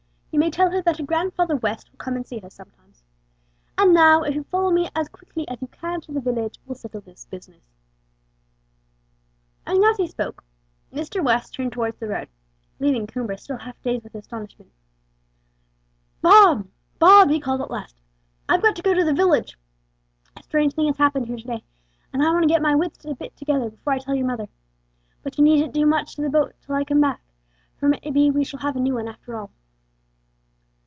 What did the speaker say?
You may tell her that her Grandfather West will come and see her sometimes. And now, if you'll follow me as quickly as you can to the village, we'll settle this business;" and as he spoke, Mr. West turned towards the road, leaving Coomber still half dazed with astonishment. "Bob, Bob," he called at last, "I've got to go to the village. A strange thing has happened here to day, and I want to get my wits a bit together before I tell your mother. But you needn't do much to the boat till I come back, for it may be we shall have a new one after all."